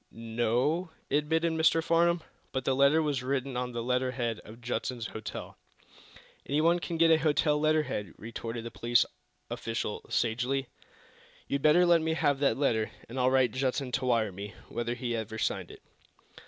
"No o o," admitted Mr. Farnum. "But the letter was written on the letter head of Judson's hotel." "Anyone can get a hotel letter head," retorted the police official, sagely. "You'd better let me have that letter, and I'll write Judson to wire me whether he ever signed it."